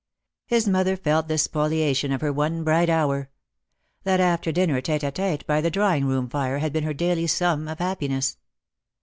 His mother felt this spoliation of her one bright hour. That after dinner t&te a tete by the drawing room fire had been her daily sum of happiness.